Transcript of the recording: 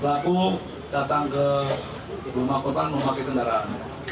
pelaku datang ke rumah korban memakai kendaraan